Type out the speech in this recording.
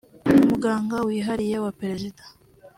Umuganga wihariye wa perezida